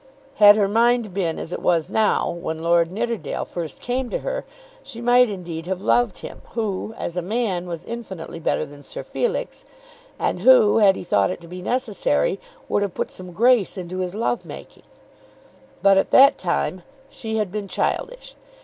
Had her mind been as it was now when Lord Nidderdale first came to her, she might indeed have loved him, who, as a man, was infinitely better than Sir Felix, and who, had he thought it to be necessary, would have put some grace into his love making. But at that time she had been childish.